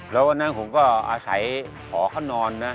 แล้ววันนั้นผมก็อาศัยหอเขานอนนะ